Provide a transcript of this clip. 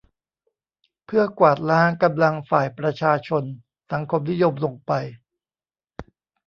เพื่อกวาดล้างกำลังฝ่ายประชาชนสังคมนิยมลงไป